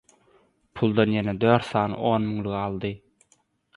puldan ýene dört sany on müňlügi aldy.